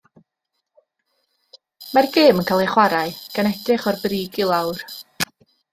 Mae'r gêm yn cael ei chwarae gan edrych o'r brig i lawr.